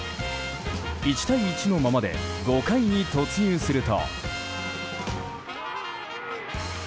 １対１のままで５回に突入すると。